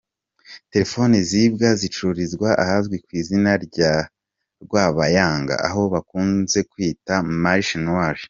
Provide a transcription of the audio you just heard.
Telefone zibwa zicururizwa ahazwi ku izina rya Rwabayanga aho bakunzwe kwita “Marché noir”.